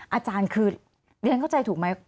อาจารย์คือเรียนเข้าใจถูกไหม